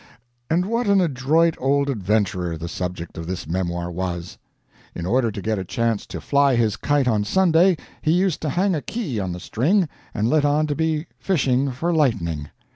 And what an adroit old adventurer the subject of this memoir was! In order to get a chance to fly his kite on Sunday he used to hang a key on the string and let on to be fishing for lightning.